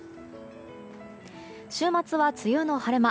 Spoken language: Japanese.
週末は梅雨の晴れ間。